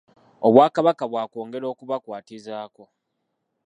Obwakabaka baakwongera okubakwatizaako.